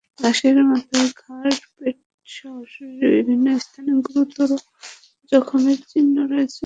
লাশের মাথায়, ঘাড়, পেটসহ শরীরের বিভিন্ন স্থানে গুরুতর জখমের চিহ্ন রয়েছে।